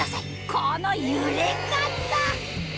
この揺れ方！